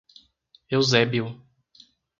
Eusébio